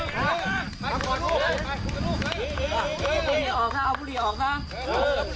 เข้ามาออกตัวหนูจะไปเยี่ยมบ่อยแล้ว